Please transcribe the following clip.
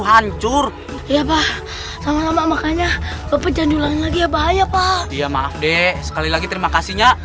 hancur ya pak sama sama makanya beban jalan lagi bahaya pak dia maaf deh sekali lagi terima